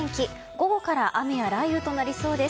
午後から雨や雷雨となりそうです。